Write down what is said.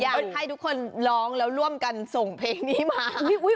อยากให้ทุกคนร้องแล้วร่วมกันส่งเพลงนี้มา